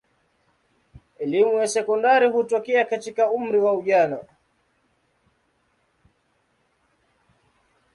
Elimu ya sekondari hutokea katika umri wa ujana.